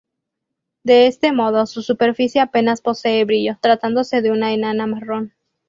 De este modo, su superficie apenas posee brillo, tratándose de una enana marrón.